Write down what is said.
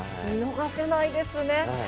見逃せないですね。